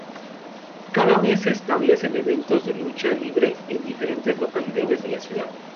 Cada mes se establecen eventos de lucha libre en diferentes localizaciones de la ciudad.